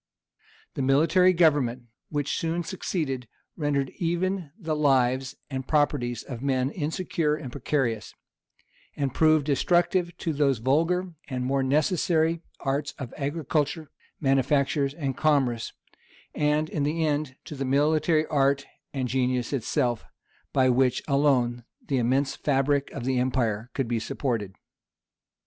The military government, which soon succeeded, rendered even the lives and properties of men insecure and precarious; and proved destructive to those vulgar and more necessary arts of agriculture, manufactures, and commerce; and, in the end, to the military art and genius itself, by which alone the immense fabric of the empire could be supported.